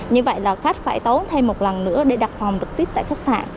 như vậy là khách phải tấu thêm một lần nữa để đặt phòng trực tiếp tại khách sạn